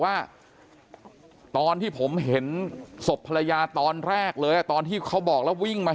ว่าตอนที่ผมเห็นศพภรรยาตอนแรกเลยตอนที่เขาบอกแล้ววิ่งมา